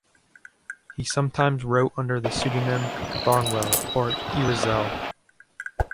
He sometimes wrote under the pseudonym "Barnwell" or "Ira Zell".